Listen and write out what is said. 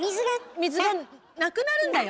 水がなくなるんだよ？